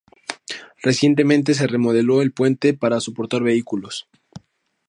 Recientemente, se remodeló el puente para soportar vehículos.